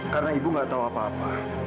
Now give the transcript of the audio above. karena ibu nggak tahu apa apa